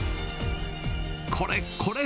これ、これ。